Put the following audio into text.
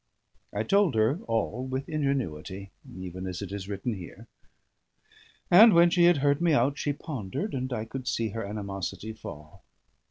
I told her all with ingenuity, even as it is written here; and when she had heard me out, she pondered, and I could see her animosity fall.